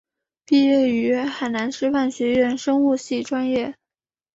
毕业于海南师范学院生物系专业。